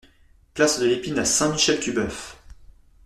Place de l'Epine à Saint-Michel-Tubœuf